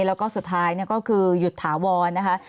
แล้วก็สุดท้ายก็คือหยุดถาวรนะคะ